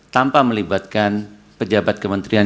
tanpa melibatkan pejabat kementerian